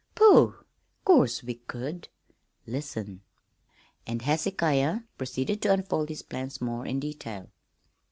"Pooh! 'Course we could. Listen!" And Hezekiah proceeded to unfold his plans more in detail.